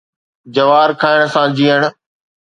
جوار کائڻ سان جيئڻ